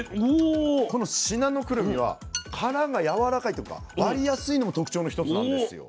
この信濃くるみは殻がやわらかいっていうか割りやすいのも特徴の一つなんですよ。